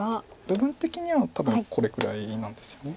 部分的には多分これくらいなんですよね。